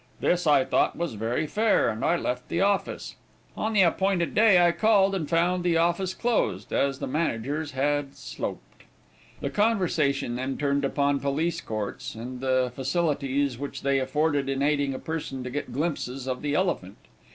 This I thought was very fair, and I left the office. On the appointed day I called, and found the office closed, as the managers had sloped." The conversation then turned upon Police Courts, and the facilities which they afforded in aiding a person to get glimpses of the elephant.